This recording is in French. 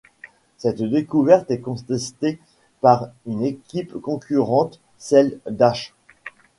Cette découverte est contestée par une équipe concurrente, celle d'H.